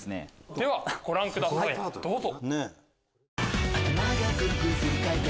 ではご覧くださいどうぞ！